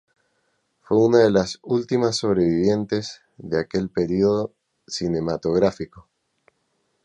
Fue una de las últimas sobrevivientes de aquel período cinematográfico.